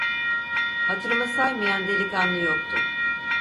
Hatırımı saymayan delikanlı yoktu.